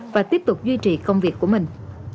và tiếp tục duy trì công việc của mình